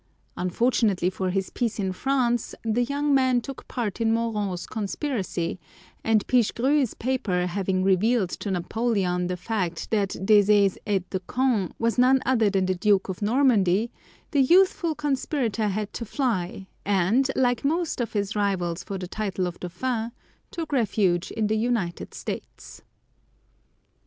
Unfortunately for his peace in France, the young man took part in Moreau's conspiracy, and Pichegru's paper having revealed to Napoleon the fact that Desaix's aide de camp was none other than the Duke of Normandy, the youthful conspirator had to fly, and, like most of his rivals for the title of dauphin, took refuge in the United States.